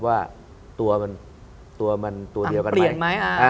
ว่าตัวมันตัวเดียวกันไหม